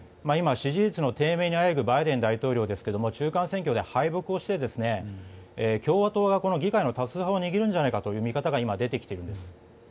支持率の低迷にあえぐバイデン大統領ですけども中間選挙で敗北をして共和党が議会の多数派を握るのではないかという見方が今出てきているんです。